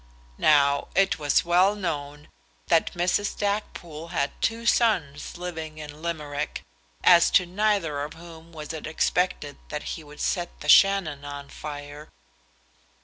Now it was well known that Mrs. Stackpoole had two sons living in Limerick, as to neither of whom was it expected that he would set the Shannon on fire.